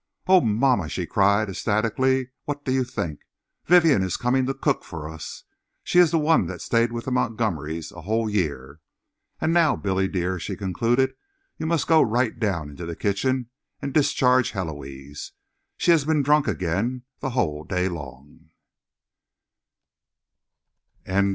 "Oh, mamma!" she cried ecstatically, "what do you think? Vivienne is coming to cook for us! She is the one that stayed with the Montgomerys a whole year. And now, Billy, dear," she concluded, "you must go right down into the kitchen and discharge Héloise. She has been drunk again the whole day long."